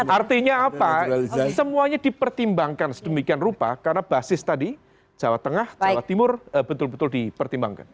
artinya apa semuanya dipertimbangkan sedemikian rupa karena basis tadi jawa tengah jawa timur betul betul dipertimbangkan